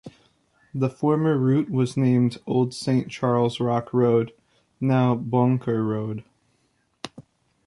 The former route was named Old Saint Charles Rock Road, now Boenker Road.